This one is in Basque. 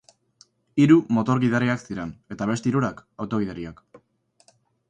Hiru motor-gidariak ziren, eta beste hirurak, auto-gidariak.